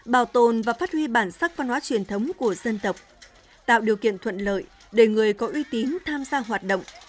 bảo tồn và phát huy bản sắc văn hóa truyền thống của dân tộc tạo điều kiện thuận lợi để người có uy tín tham gia hoạt động